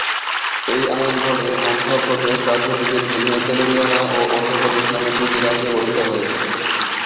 এই আইন বলে অন্ধ্রপ্রদেশ রাজ্যটিকে ভেঙে তেলেঙ্গানা ও অন্ধ্রপ্রদেশ নামে দুটি রাজ্য গঠিত হয়েছে।